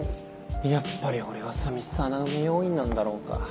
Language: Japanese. やっぱり俺は寂しさ穴埋め要員なんだろうか。